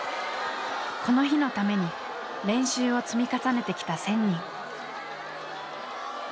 この日のために練習を積み重ねてきた１，０００人。